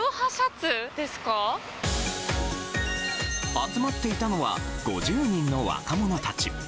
集まっていたのは５０人の若者たち。